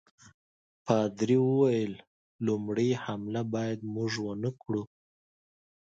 پادري وویل لومړی حمله باید موږ ونه کړو.